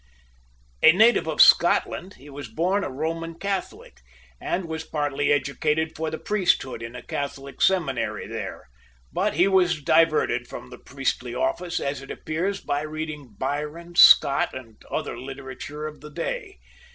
A native of Scotland, he was born a Roman Catholic, and was partly educated for the priesthood in a Catholic seminary there; but he was diverted from the priestly office, as it appears, by reading Byron, Scott, and other literature of the day.